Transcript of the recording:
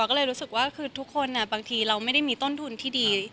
ก็เลยรู้สึกว่าคือทุกคนบางทีเราไม่ได้มีต้นทุนที่ดี